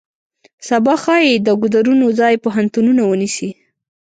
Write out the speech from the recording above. سبا ښایي د ګودرونو ځای پوهنتونونه ونیسي.